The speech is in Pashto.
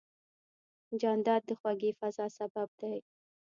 جانداد د خوږې فضا سبب دی.